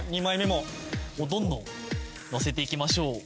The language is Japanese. もうどんどんのせていきましょう。